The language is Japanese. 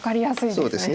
そうですね。